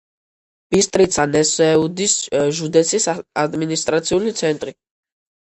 ბისტრიცა-ნესეუდის ჟუდეცის ადმინისტრაციული ცენტრი.